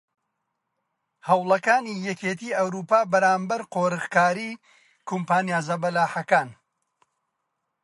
هەوڵەکاتی یەکیەتی ئەوروپا بەرامبەر قۆرغکاری کۆمپانیا زەبەلاحەکان